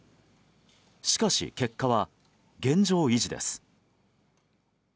しかし、結果は現状維持です。